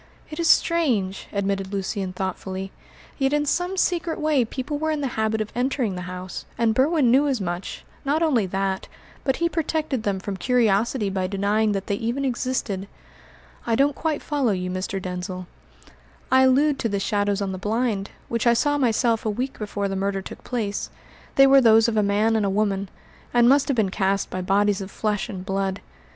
"It is strange," admitted Lucian thoughtfully, "yet in some secret way people were in the habit of entering the house, and Berwin knew as much; not only that, but he protected them from curiosity by denying that they even existed." "I don't quite follow you, Mr. Denzil." "I allude to the shadows on the blind, which I saw myself a week before the murder took place. They were those of a man and a woman, and must have been cast by bodies of flesh and blood.